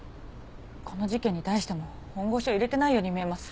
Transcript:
この事件に対しても本腰を入れてないように見えます。